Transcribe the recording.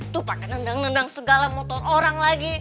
tuh pakai nendang nendang segala motor orang lagi